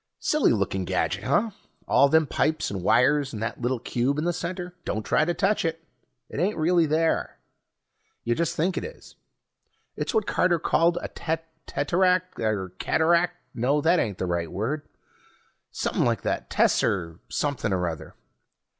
Silly looking gadget, huh? All them pipes and wires and that little cube in the center ... don't try to touch it, it ain't really there. You just think it is. It's what Carter called a teteract, or a cataract ... no, that ain't the right word. Somepin' like that tesser something or other.